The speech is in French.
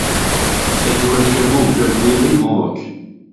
Elle joue actuellement au club d'Évry Grand Roque.